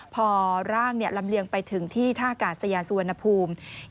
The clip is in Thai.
พอร่างลำเลียงไปถึงที่ท่ากาศยาสุวรรณภูมิ